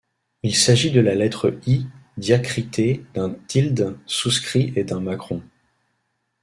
Il s’agit de la lettre I diacritée d’un tilde souscrit et d’un macron.